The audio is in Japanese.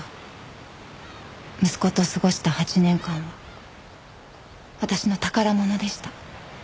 息子と過ごした８年間は私の宝物でした。